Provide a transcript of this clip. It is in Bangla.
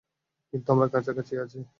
কিন্তু আমরা কাছাকাছিই আছি।